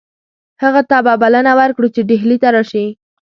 هغه ته به بلنه ورکړو چې ډهلي ته راشي.